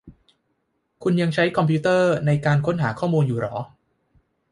คุณยังใช้คอมพิวเตอร์ในการค้นหาข้อมูลอยู่หรอ